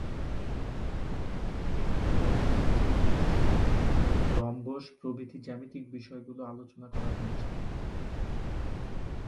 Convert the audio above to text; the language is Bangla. এখানে লম্ব, ত্রিভুজ, রম্বস প্রভৃতি জ্যামিতিক বিষয় গুলো আলোচনা করা হয়েছে।